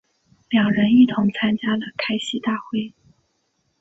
两人一同参加了开西大会。